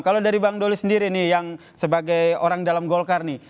kalau dari bang doli sendiri nih yang sebagai orang dalam golkar nih